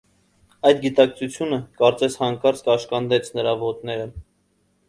Այդ գիտակցությունը, կարծես, հանկարծ կաշկանդեց նրա ոտները: